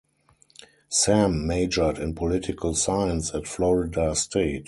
Sam majored in political science at Florida State.